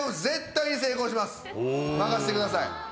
絶対に成功します任せてください。